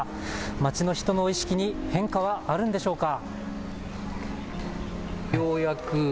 町の人の意識に変化はあるんでしょうか。